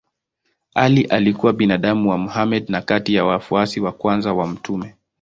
Ali alikuwa binamu wa Mohammed na kati ya wafuasi wa kwanza wa mtume.